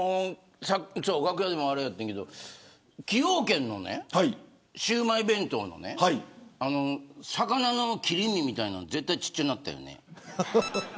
楽屋でもあれやってんけど崎陽軒のシウマイ弁当の魚の切り身みたいなん絶対ちっちゃなったよね。